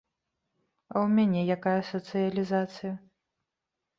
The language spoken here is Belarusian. А ў мяне якая сацыялізацыя?